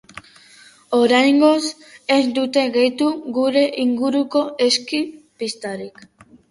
Oraingoz ez dute gehitu gure inguruko eski pistarik.